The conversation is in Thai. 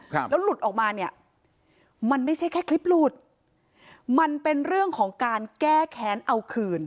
ครับแล้วหลุดออกมาเนี่ยมันไม่ใช่แค่คลิปหลุดมันเป็นเรื่องของการแก้แค้นเอาคืน